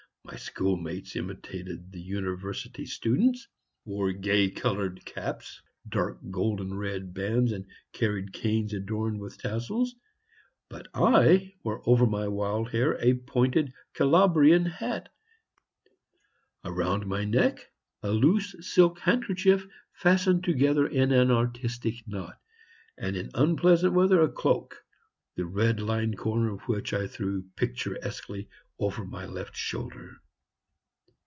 My schoolmates imitated the University students, wore gay colored caps, dark golden red bands, and carried canes adorned with tassels; but I wore over my wild hair a pointed Calabrian hat, around my neck a loose silk handkerchief fastened together in an artistic knot, and in unpleasant weather a cloak, the red lined corner of which I threw picturesquely over my left shoulder.